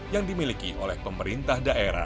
yang dimiliki oleh pemerintah daerah